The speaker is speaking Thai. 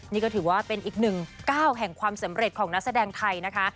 นี่ก็ถือว่าเป็นอีกหนึ่งก้าวแห่งความสำเร็จของนักแสดงไทยนะคะ